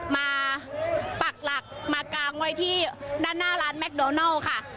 มาปักหลักมากางไว้ที่ด้านหน้าร้านแมคโดนัลค่ะ